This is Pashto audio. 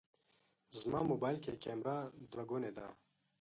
زما موبایل کې کمېره دوهګونې ده.